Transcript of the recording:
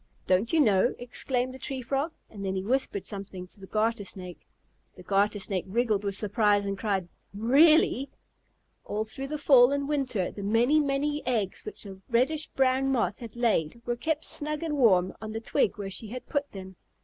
"Don't you know?" exclaimed the Tree Frog. And then he whispered something to the Garter Snake. The Garter Snake wriggled with surprise and cried, "Really?" All through the fall and winter the many, many eggs which the reddish brown Moth had laid were kept snug and warm on the twig where she had put them.